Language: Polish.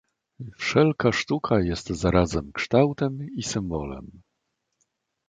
Wszelka sztuka jest zarazem kształtem i symbolem.